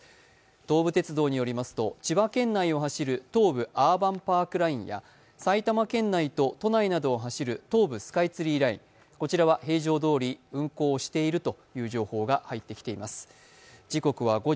東武鉄道によりますと、千葉県内を走る東部アーバンパークラインや埼玉県内と都内などを走る東武スカイツリーライン、こちらは平常どおり運行しているという情報が入ってきています。